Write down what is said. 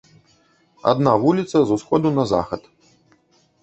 Адна вуліца з усходу на захад.